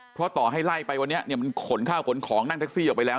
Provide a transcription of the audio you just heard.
เพราะต่อให้ไล่ไปวันนี้เนี่ยมันขนข้าวขนของนั่งแท็กซี่ออกไปแล้ว